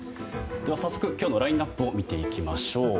では早速今日のラインアップを見ていきます。